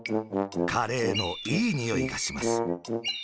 カレーのいいにおいがします。